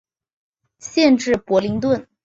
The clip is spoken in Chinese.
县治伯灵顿。